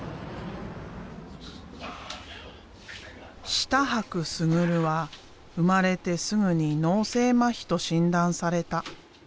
志多伯逸は生まれてすぐに脳性まひと診断された。